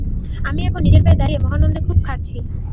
আমি এখন নিজের পায়ে দাঁড়িয়ে মহানন্দে খুব খাটছি।